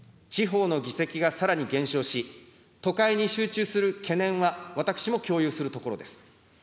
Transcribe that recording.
地方の議席がさらに減少し、都会に集中する懸念は私も共有するところです。